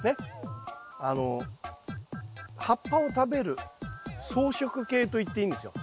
あの葉っぱを食べる草食系といっていいんですよ。